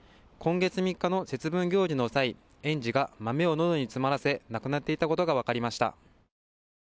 今月３日の節分行事の際、園児が豆をのどに詰まらせ、亡くなっていたことが分かりました。